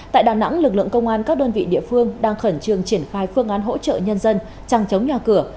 tại đà nẵng lực lượng công an các đơn vị địa phương đang khẩn trương triển khai phương án hỗ trợ nhân dân trăng chống nhà cửa